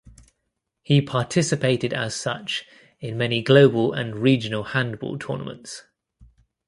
He participated as such in many global and regional handball tournaments.